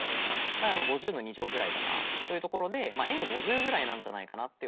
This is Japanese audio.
だからまあ５０の２乗ぐらいだなというところでｎ５０ぐらいなんじゃないかなっていう当たりがつくんですね。